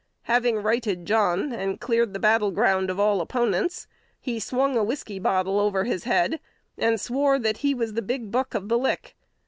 Having righted John, and cleared the battle ground of all opponents, "he swung a whiskey bottle over his head, and swore that he was the big buck of the lick."